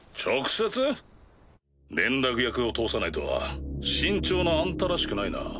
連絡役を通さないとは慎重なあんたらしくないな。